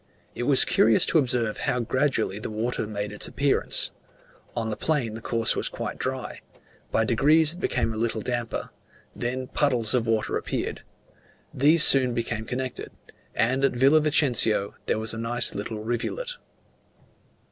It was curious to observe how gradually the water made its appearance: on the plain the course was quite dry; by degrees it became a little damper; then puddles of water appeared; these soon became connected; and at Villa Vicencio there was a nice little rivulet.